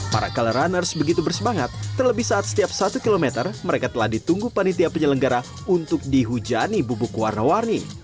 para color runners begitu bersemangat terlebih saat setiap satu kilometer mereka telah ditunggu panitia penyelenggara untuk dihujani bubuk warna warni